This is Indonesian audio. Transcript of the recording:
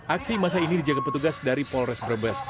aksi masa ini dijaga petugas dari polres brebes